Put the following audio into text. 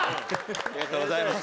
「ありがとうございます！」